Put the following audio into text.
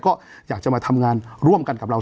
ก็อยากจะมาทำงานร่วมกันกับเรา